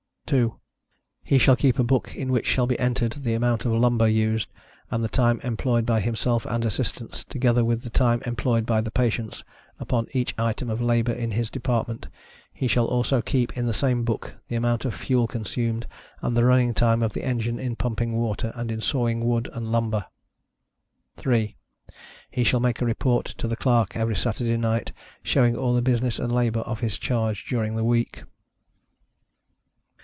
2. He shall keep a book in which shall be entered the amount of lumber used, and the time employed by himself and Assistants, together with the time employed by the patients, upon each item of labor in his department; he shall also keep, in the same book, the amount of fuel consumed, and the running time of the engine in pumping water, and in sawing wood and lumber. 3. He shall make a report to the Clerk every Saturday night, showing all the business and labor of his charge during the week.